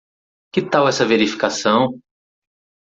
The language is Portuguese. Que tal essa verificação?